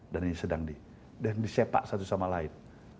dan ini sedang disepak satu sama lain